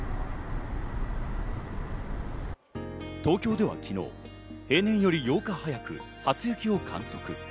東京では昨日、平年より８日早く初雪を観測。